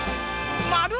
まる！